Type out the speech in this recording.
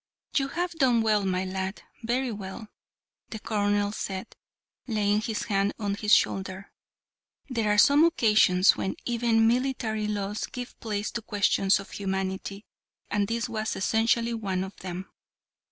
"You have done well, my lad very well," the colonel said, laying his hand on his shoulder. "There are some occasions when even military laws give place to questions of humanity, and this was essentially one of them.